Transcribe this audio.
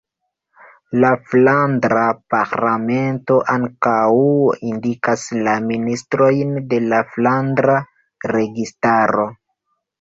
La Flandra Parlamento ankaŭ indikas la ministrojn de la flandra registaro.